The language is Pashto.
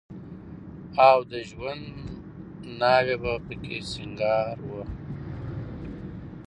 او د ژوند ناوې به په کې سينګار وه.